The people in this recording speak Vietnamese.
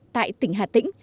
tại tỉnh hà tĩnh